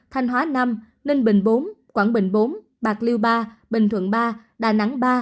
thanh hóa năm ninh bình bốn quảng bình bốn bạc liêu ba bình thuận ba đà nẵng ba